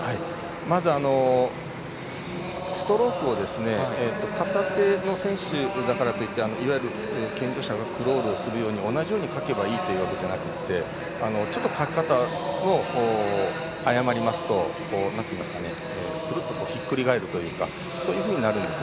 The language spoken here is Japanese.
まず、ストロークは片手の選手だからといっていわゆる健常者がクロールをするように同じようにかけばいいというわけじゃなくてちょっと、かき方を誤りますとくるっと引っくり返るというかそういうふうになるんですね。